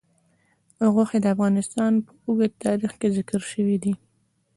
غوښې د افغانستان په اوږده تاریخ کې ذکر شوی دی.